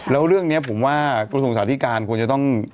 แล้วเรื่องนี้ผมว่ากระทรวงสาธิการควรจะต้อง